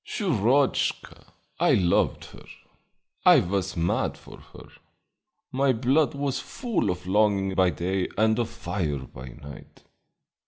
"Shurochka! I loved her; I was mad for her; my blood was full of longing by day and of fire by night.